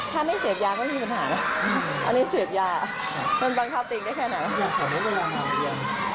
ถ้าไม่เสพยาก็ไม่มีปัญหานะอันนี้เสพยามันบังคับตัวเองได้แค่ไหน